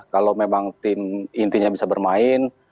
kalau memang tim intinya bisa bermain